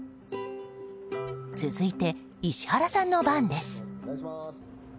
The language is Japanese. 続いて、石原さんの番です。